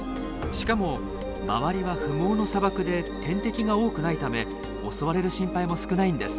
しかも周りは不毛の砂漠で天敵が多くないため襲われる心配も少ないんです。